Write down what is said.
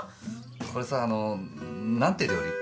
これさあの何て料理？